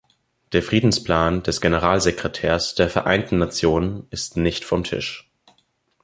Der Friedensplan des Generalsekretärs der Vereinten Nationen ist nicht vom Tisch.